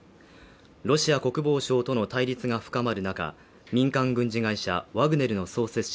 ロシア国防省との対立が深まる中、民間軍事会社ワグネルの創設者